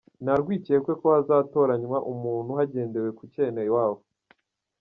Nta rwikekwe ko hazatoranywa umuntu hagendewe ku cyenewabo.